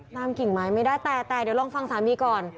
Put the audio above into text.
กิ่งไม้ไม่ได้แต่แต่เดี๋ยวลองฟังสามีก่อน